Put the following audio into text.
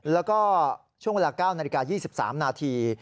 แล้วก็ช่วงเวลา๙นาฬิกา๒๓นาที